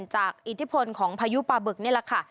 อิทธิพลของพายุปลาบึกนี่แหละค่ะ